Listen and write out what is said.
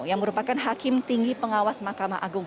yang merupakan hakim tinggi pengawas mahkamah agung